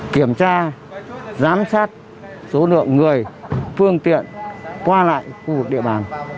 kiểm tra giám sát số lượng người phương tiện qua lại khu vực địa bàn